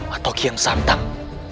atau kian santang